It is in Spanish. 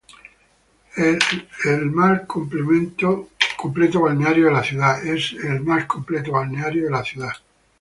El más completo balneario de la ciudad.